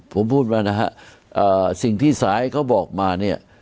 ผมพูดมานะฮะสิ่งที่สายเขาบอกมาเนี่ย